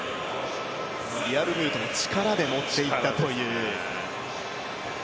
リアルミュートの力で持っていったという。